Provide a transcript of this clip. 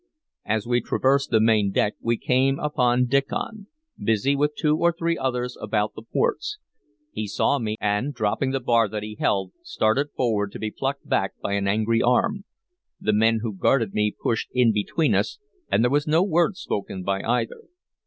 As we traversed the main deck we came upon Diccon, busy with two or three others about the ports. He saw me, and, dropping the bar that he held, started forward, to be plucked back by an angry arm. The men who guarded me pushed in between us, and there was no word spoken by either.